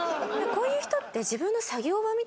こういう人って。